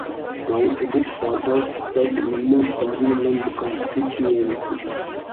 Now it is a part of the Nellore parliament constituency.